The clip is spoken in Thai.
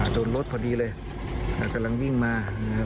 โดนลดพอดีเลยแต่กำลังวิ่งมา